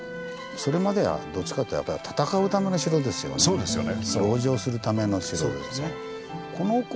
そうですよね。